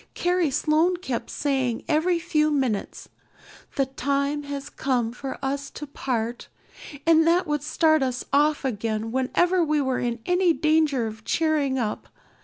Carrie Sloane kept saying every few minutes, 'The time has come for us to part,' and that would start us off again whenever we were in any danger of cheering up.